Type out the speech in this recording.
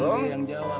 dia yang jawab